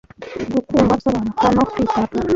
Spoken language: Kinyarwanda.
Gukundwa, gusobanuka no kwitabwaho